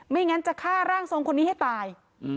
งั้นจะฆ่าร่างทรงคนนี้ให้ตาย